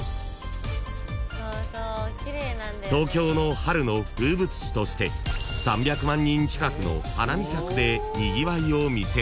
［東京の春の風物詩として３００万人近くの花見客でにぎわいを見せます］